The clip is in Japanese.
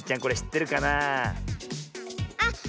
これしってるかなあ。